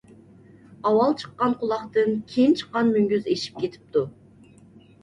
ئاۋۋال چىققان قۇلاقتىن كېيىن چىققان مۈڭگۈز ئېشىپ كېتىدۇ.